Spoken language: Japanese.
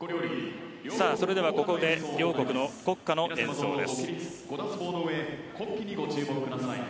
それではここで両国の国歌の演奏です。